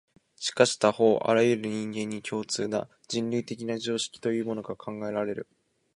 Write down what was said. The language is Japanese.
しかし他方、あらゆる人間に共通な、人類的な常識というものが考えられる。